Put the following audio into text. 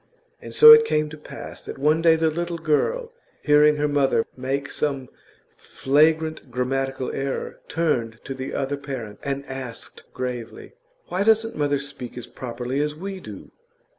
And so it came to pass that one day the little girl, hearing her mother make some flagrant grammatical error, turned to the other parent and asked gravely: 'Why doesn't mother speak as properly as we do?